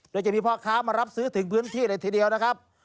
โดยจะมีพ่อค้ามารับซื้อถึงพื้นที่เลยทีเดียวนะครับ